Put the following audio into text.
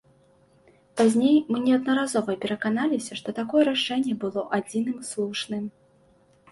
Пазней мы неаднаразова пераканаліся, што такое рашэнне было адзіным слушным.